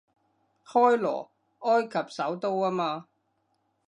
開羅，埃及首都吖嘛